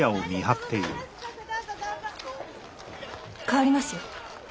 替わりますよ。